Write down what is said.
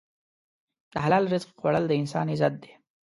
د حلال رزق خوړل د انسان عزت دی.